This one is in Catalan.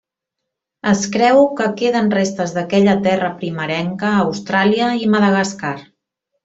Es creu que queden restes d'aquella terra primerenca a Austràlia i Madagascar.